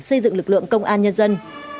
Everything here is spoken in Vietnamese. xây dựng lực lượng công an nhân dân